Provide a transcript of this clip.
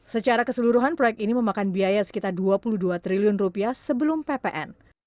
secara keseluruhan proyek ini memakan biaya sekitar dua puluh dua triliun rupiah sebelum ppn